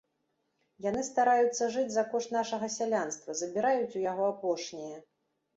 Яны стараюцца жыць за кошт нашага сялянства, забіраюць у яго апошняе.